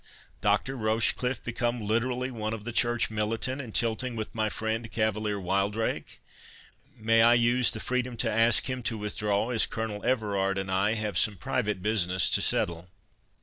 Doctor Rochecliffe become literally one of the church militant, and tilting with my friend cavalier Wildrake? May I use the freedom to ask him to withdraw, as Colonel Everard and I have some private business to settle?"